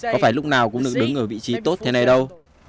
có phải lúc nào cũng được đứng ở vị trí tốt thế này đâu